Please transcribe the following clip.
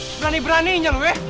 berani beraninya lu eh